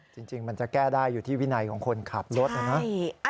จริงมันจะแก้ได้อยู่ที่วินัยของคนขับรถนะ